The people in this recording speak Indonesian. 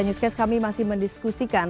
newscast kami masih mendiskusikan